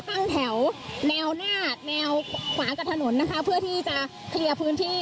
ตั้งแถวแนวหน้าแนวขวากับถนนนะคะเพื่อที่จะเคลียร์พื้นที่